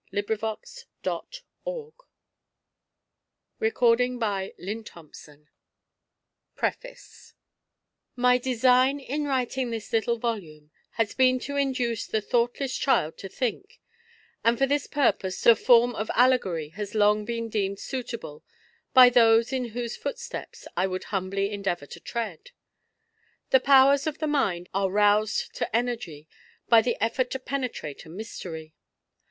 LONDON; T. NELSON AND SONS, PATERNOSTER ROW ^ro rv 8 9 ^Y design in writing this little volume has been to induce the thoughtless child to think; and ^ for this purpose the form of allegory has long been deemed suitable by those in whose foot steps I would humbly endeavour to tread. The powers of the mind are roused to energy by the effort to penetrate a mystery.